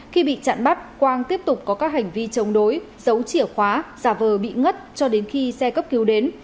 khi bị chặn bắt quang tiếp tục có các hành vi chống đối giấu chìa khóa giả vờ bị ngất cho đến khi xe cấp cứu đến